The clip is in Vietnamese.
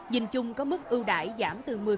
dình chung có mức ưu đại giảm tiêu dùng nhanh